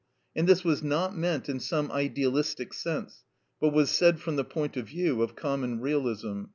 And this was not meant in some idealistic sense, but was said from the point of view of common realism.